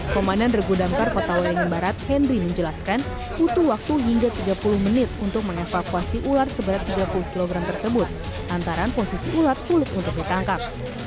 komandan regu damkar kota wayangin barat henry menjelaskan butuh waktu hingga tiga puluh menit untuk mengevakuasi ular seberat tiga puluh kg tersebut antara posisi ular sulit untuk ditangkap